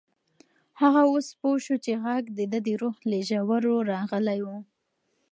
هغه اوس پوه شو چې غږ د ده د روح له ژورو راغلی و.